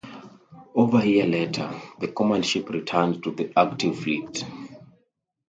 Over a year later, the command ship returned to the active fleet.